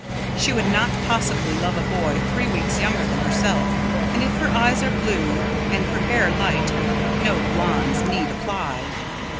She could not possibly love a boy three weeks younger than herself, and if her eyes are blue and her hair light, no blondes need apply.